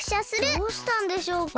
どうしたんでしょうか？